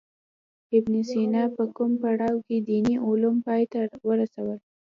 ابن سینا په کوم پړاو کې دیني علوم پای ته ورسول.